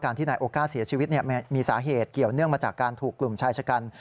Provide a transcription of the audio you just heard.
ที่นายโอก้าเสียชีวิตมีสาเหตุเกี่ยวเนื่องมาจากการถูกกลุ่มชายชะกัน